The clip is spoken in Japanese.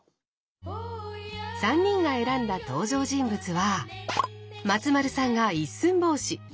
３人が選んだ登場人物は松丸さんが「一寸法師」